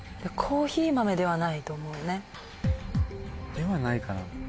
ではないかな。